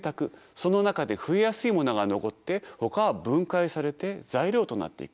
その中で増えやすいものが残ってほかは分解されて材料となっていく